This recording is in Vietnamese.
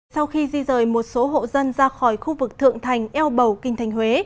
sau khi di rời một số hộ dân ra khỏi khu vực thượng thành eo bầu kinh thành huế